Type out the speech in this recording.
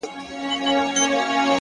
زه چي په بې سېکه گوتو څه وپېيم’